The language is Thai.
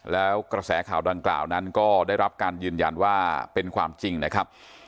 แล้วกระแสข่าวดังกล่าวนั้นก็ได้รับการยืนยันว่าเป็นความจริงนะครับ